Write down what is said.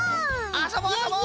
あそぼうあそぼう！